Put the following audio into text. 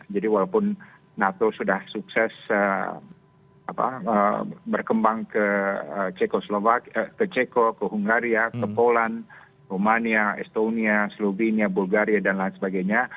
jadi walaupun nato sudah sukses berkembang ke ceko ke hungaria ke poland rumania estonia slovenia bulgaria dan lain sebagainya